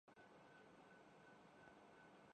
ہمارا سلام ہے آپ سب ڈاکٹرس اور ہسپتال کے تمام سٹاف کو